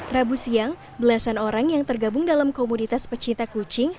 rabu siang belasan orang yang tergabung dalam komunitas pecinta kucing